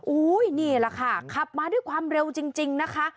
นี่แหละค่ะขับมาด้วยความเร็วจริงนะคะ